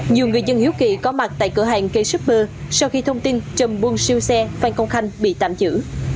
nhiều người dân hiếu kỵ có mặt tại cửa hàng k super sau khi thông tin trầm buông siêu xe phan công khanh bị tạm giữ